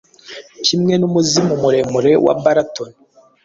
Kimwe numuzimu muremure wa Baraton